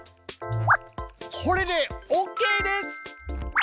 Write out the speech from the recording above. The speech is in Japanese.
これでオーケーです！